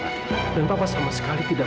bagaimana perasaan kamu terhadap andara